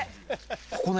ここね？